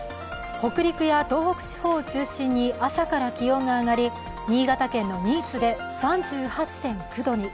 北陸や東北地方を中心に朝から気温が上がり新潟県の新津で３８．９度に。